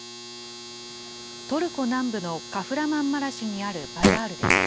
トルコ南部のカフラマンマラシュにあるバザールです。